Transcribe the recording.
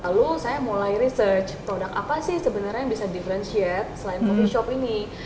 lalu saya mulai research produk apa sih sebenarnya yang bisa differentiate selain coffe shop ini